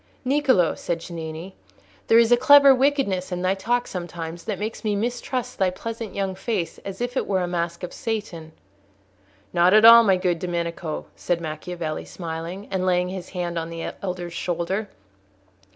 "Niccolò," said Cennini, "there is a clever wickedness in thy talk sometimes that makes me mistrust thy pleasant young face as if it were a mask of Satan." "Not at all, my good Domenico," said Macchiavelli, smiling, and laying his hand on the elder's shoulder.